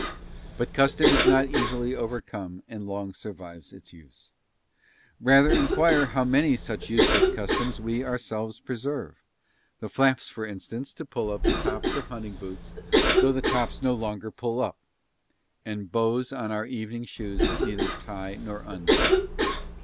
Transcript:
But custom is not easily overcome and long survives its use. Rather enquire how many such useless customs we ourselves preserve: the flaps for instance to pull up the tops of hunting boots though the tops no longer pull up, the bows on our evening shoes that neither tie nor untie.